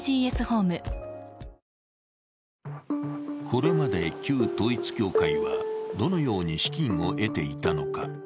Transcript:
これまで旧統一教会はどのように資金を得ていたのか。